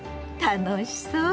楽しそう。